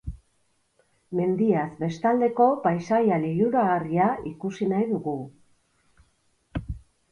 Mendiaz bestaldeko paisaia liluragarria ikusi nahi dugu.